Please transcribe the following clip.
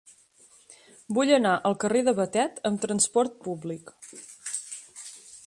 Vull anar al carrer de Batet amb trasport públic.